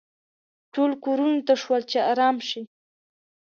ټول کورونو ته شول چې ارام شي.